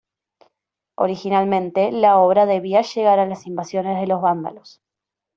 Originalmente la obra debía llegar a las invasiones de los vándalos.